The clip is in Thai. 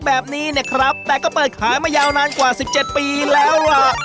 แบบนี้เนี่ยครับแต่ก็เปิดขายมายาวนานกว่า๑๗ปีแล้วล่ะ